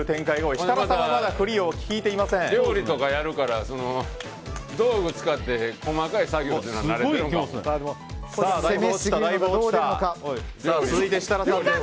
設楽さんはまだ料理とかやるから道具を使って細かい作業とか慣れてるかも。